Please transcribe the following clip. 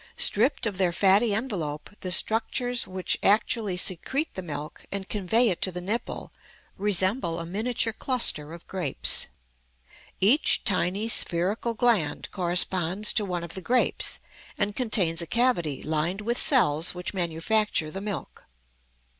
Stripped of their fatty envelope the structures which actually secrete the milk and convey it to the nipple resemble a miniature cluster of grapes. Each tiny, spherical gland corresponds to one of the grapes and contains a cavity lined with cells which manufacture the milk.